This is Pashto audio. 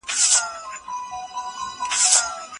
ولي هوډمن سړی د وړ کس په پرتله برخلیک بدلوي؟